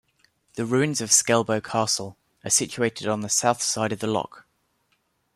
The ruins of Skelbo Castle are situated on the south side of the loch.